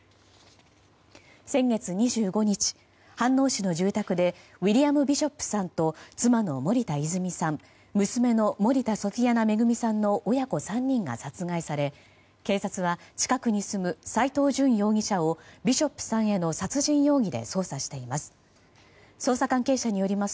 先月２５日、飯能市の住宅でウィリアム・ビショップさんと妻の森田泉さん娘の森田ソフィアナ恵さんの親子３人が殺害され警察は近くに住む斎藤淳容疑者をビショップさんへの殺人容疑で捜査しています。